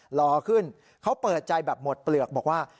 รอขึ้นเขาเปิดใจแบบหมดเปลือกบอกว่า